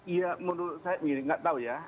ya menurut saya begini nggak tahu ya